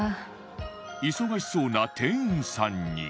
忙しそうな店員さんに